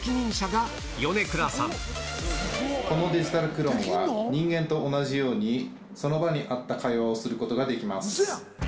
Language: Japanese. このデジタルクローンは、人間と同じようにその場に合った会話をすることができます。